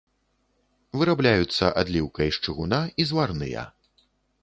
Вырабляюцца адліўкай з чыгуна і зварныя.